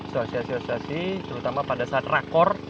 sosialisasi terutama pada saat rakor